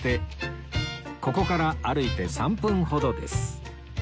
ここから歩いて３分ほどです